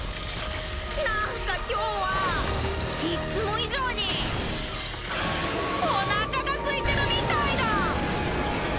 なんか今日はいつも以上におなかがすいてるみたいだ！